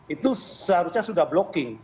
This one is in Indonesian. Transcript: itu seharusnya sudah blocking